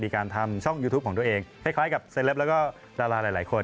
การทำช่องยูทูปของตัวเองคล้ายกับเซลปแล้วก็ดาราหลายคน